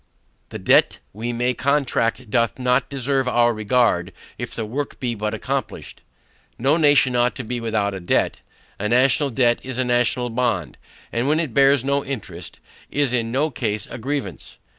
The debt we may contract doth not deserve our regard if the work be but accomplished. No nation ought to be without a debt. A national debt is a national bond; and when it bears no interest, is in no case a grievance.